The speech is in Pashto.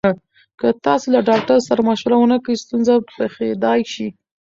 که تاسو له ډاکټر سره مشوره ونکړئ، ستونزه پېښېدای شي.